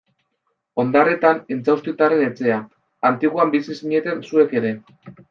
Ondarretan Intxaustitarren etxea, Antiguan bizi zineten zuek ere.